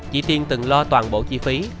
chị tiên từng lo toàn bộ chi phí